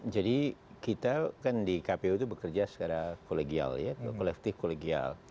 jadi kita kan di kpu itu bekerja secara kolegial ya kolektif kolegial